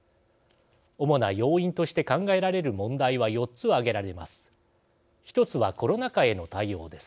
主な要因として考えられる問題は４つ挙げられます。